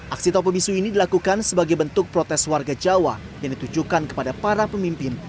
aksi topo bisu ini dilakukan sebagai bentuk protes warga jawa yang ditujukan kepada para pemimpin